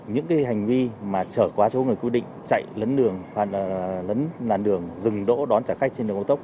những hành vi mà chở qua cho người quy định chạy lấn đường hoặc là lấn làn đường dừng đỗ đón trả khách trên đường cao tốc